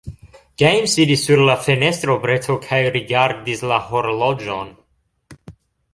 Gejm sidis sur la fenestrobreto kaj rigardis la horloĝon.